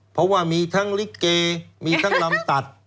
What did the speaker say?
เพราะว่ามีทั้งลิเกมีทั้งลำตัด